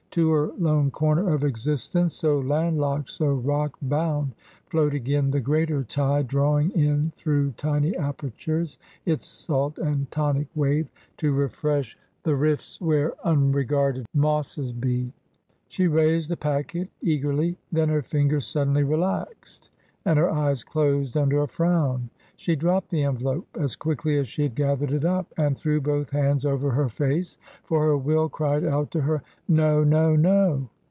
To her lone corner of existence — so land locked, so rock bound — ^flowed again the greater tide, drawing in through tiny apertures its salt and tonic wave to refresh The rifts where unregarded mosses be She raised the packet eagerly. Then her fingers sud denly relaxed and her eyes closed under a frown ; she dropped the envelope as quickly as she had gathered it up and threw both hands over her face. For her will cried out to her " No ! No ! No